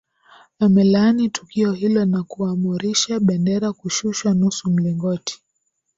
amelaani tukio hilo na kuamurisha bendera kushushwa nusu mlingoti